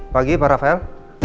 pagi pak rafael